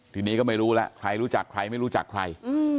ทีนี้ก็ไม่รู้แล้วใครรู้จักใครไม่รู้จักใคร